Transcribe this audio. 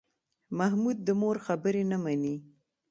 محمود د مور خبرې نه مني.